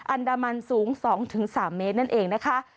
อันดามันสูง๒๓เมตรนั่นเองนะคะ